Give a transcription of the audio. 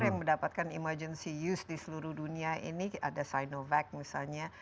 yang mendapatkan emergency use di seluruh dunia ini ada sinovac misalnya